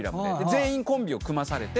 全員コンビを組まされて。